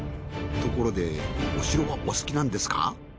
ところでお城はお好きなんですか？